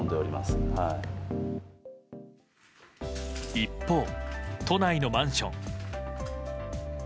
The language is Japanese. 一方、都内のマンション。